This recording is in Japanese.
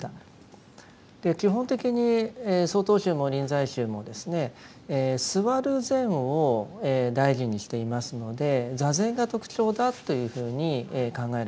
基本的に曹洞宗も臨済宗もですね坐る禅を大事にしていますので坐禅が特徴だというふうに考えられます。